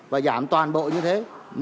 và giảm toàn bộ như thế một mươi